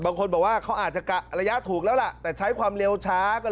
บางคนบอกว่าเขาอาจจะรัยาทุกแล้วล่ะแต่ใช้ความเร็วช้าก็ไม่พ้น